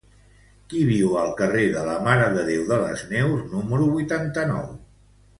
Qui viu al carrer de la Mare de Déu de les Neus número vuitanta-nou?